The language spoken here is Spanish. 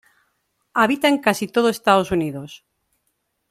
Habita en casi todo Estados Unidos.